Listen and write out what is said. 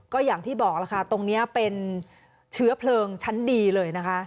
ก็อย่างที่บอกล่ะค่ะตรงนี้เป็นเชื้อเพลิงชั้นดีเลยนะคะ